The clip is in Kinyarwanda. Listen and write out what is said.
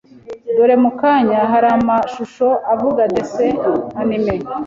dore mu kanya hari amashusho avuga dessin animé